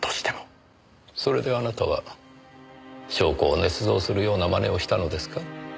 それであなたは証拠を捏造するような真似をしたのですか？